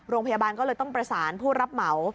โรงพยาบาลก็เลยต้องประสานผู้รับเหมา